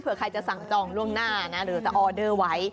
เพื่อใครจะสั่งจองล่วงหน้านะหรือจะออเดอร์ไว้